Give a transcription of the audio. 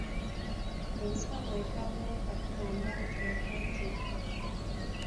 Enswa bwe tabuuka tugamba nti ekootedde.